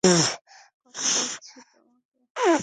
কথা দিচ্ছি তোমাকে!